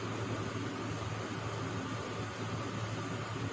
คุณเสียดูดกาลเลนี่